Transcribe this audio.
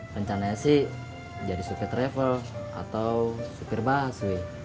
rencananya sih jadi sufi travel atau supir bas